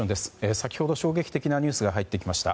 先ほど、衝撃的なニュースが入ってきました。